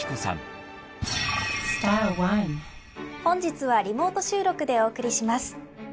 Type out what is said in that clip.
本日はリモート収録でお送りします。